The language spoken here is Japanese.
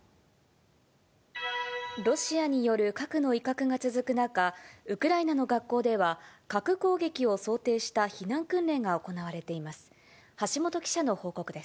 ロシアによる核の威嚇が続く中、ウクライナの学校では、核攻撃を想定した避難訓練が行われています。